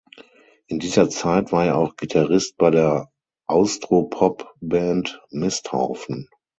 In dieser Zeit war er auch Gitarrist bei der Austropop-Band Misthaufen.